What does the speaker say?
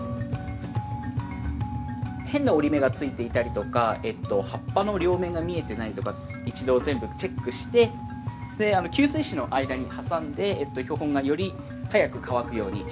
変な折り目がついていたりとか葉っぱの両面が見えてないとか一度全部チェックしてで吸水紙の間に挟んで標本がより早く乾くようにしていきます。